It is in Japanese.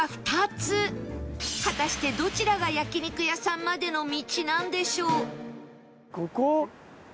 果たしてどちらが焼肉屋さんまでの道なんでしょう？